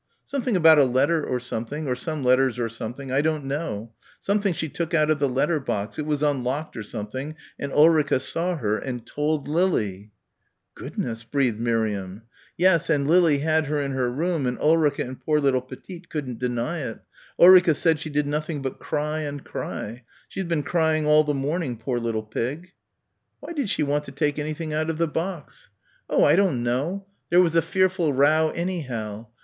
"Something about a letter or something, or some letters or something I don't know. Something she took out of the letter box, it was unlocked or something and Ulrica saw her and told Lily!" "Goodness!" breathed Miriam. "Yes, and Lily had her in her room and Ulrica and poor little Petite couldn't deny it. Ulrica said she did nothing but cry and cry. She's been crying all the morning, poor little pig." "Why did she want to take anything out of the box?" "Oh, I don't know. There was a fearful row anyhow.